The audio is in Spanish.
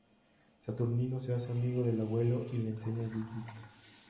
Saturnino se hace amigo del abuelo y le enseña jiu-jitsu.